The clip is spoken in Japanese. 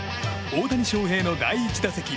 大谷翔平の第１打席。